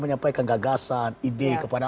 menyampaikan gagasan ide kepada